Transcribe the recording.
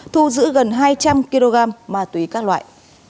thu giữ gần hai trăm linh kg ma túy các loại